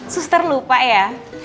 suster lupa ya